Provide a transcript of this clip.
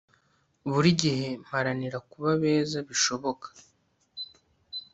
buri gihe mparanira kuba beza bishoboka